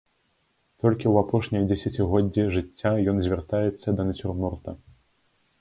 Толькі ў апошняе дзесяцігоддзе жыцця ён звяртаецца да нацюрморта.